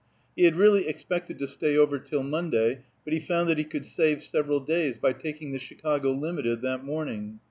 He had really expected to stay over till Monday, but he found he could save several days by taking the Chicago Limited that morning.